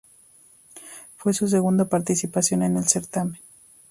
Fue su segunda participación en el certamen.